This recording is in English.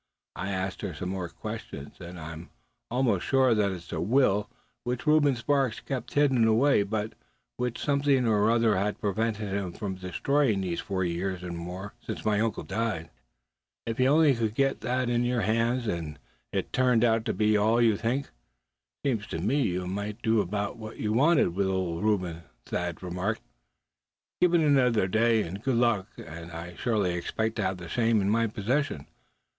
I asked her some more questions, and I'm almost sure that it's a will which Reuben Sparks kept hidden away, but which something or other has prevented him from destroying these four years and more, since my uncle died." "If you only could get that in your hands, and it turned out to be all you think, seems to me you might do about what you wanted with old Reuben," Thad remarked. "Given another day, and good luck, suh, and I surely expect to have the same in my possession.